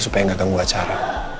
supaya gak ganggu acara